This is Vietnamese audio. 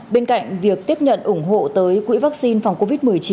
bên cạnh việc tiếp nhận ủng hộ tới quỹ vắc xin phòng covid một mươi chín